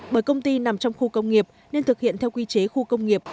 bởi công ty nằm trong khu công nghiệp nên thực hiện theo quy chế khu công nghiệp